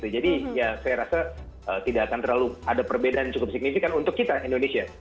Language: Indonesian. jadi ya saya rasa tidak akan terlalu ada perbedaan cukup signifikan untuk kita indonesia